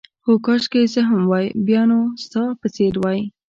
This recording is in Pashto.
هو، کاشکې زه هم وای، بیا به نو ستا په څېر وای.